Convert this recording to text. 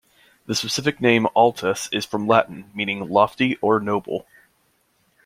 The specific name "altus" is from Latin, meaning "lofty" or "noble".